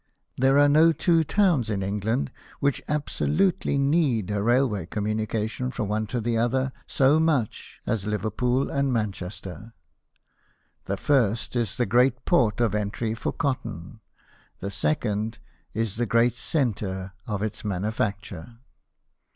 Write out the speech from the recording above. There are no two towns in England which absolutely need a railway communication from one to the other so much as Liverpool and Manchester. The first is the great port of entry for cotton, the second is the great centre of its manufacture.